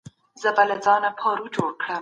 ایا د ستړیا په وخت کي د سترګو پټول ګټور دي؟